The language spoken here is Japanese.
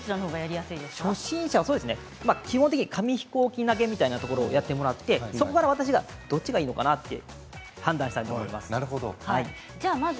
初心者は基本的には紙飛行機投げをやってもらってそこからどちらがいいのかなということを判断したいと思います。